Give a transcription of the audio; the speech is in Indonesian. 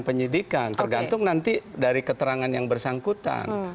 penyidikan tergantung nanti dari keterangan yang bersangkutan